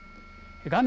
画面